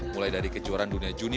mulai dari kejuaran dunia junior